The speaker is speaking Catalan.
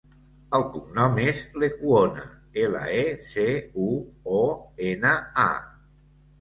El cognom és Lecuona: ela, e, ce, u, o, ena, a.